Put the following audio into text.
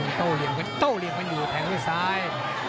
โต้เหลี่ยมกันโต้เหลี่ยมกันอยู่แทงด้วยซ้าย